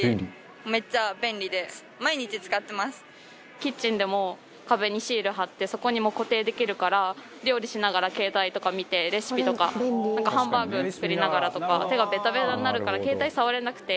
キッチンでも壁にシール貼ってそこに固定できるから料理しながら携帯とか見てレシピとかハンバーグ作りながらとか手がベタベタになるから携帯触れなくて。